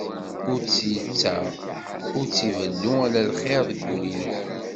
Ur tt-yettaɣ, ur tt-ibellu, ala lxir deg wul-ines.